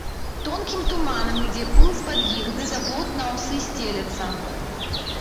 Тонкім туманам ідзе пыл з-пад іх ды за плот на аўсы сцелецца.